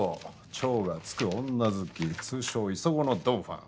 超がつく女好き通称磯子のドンファン。